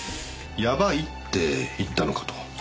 やばいって言ったのかと。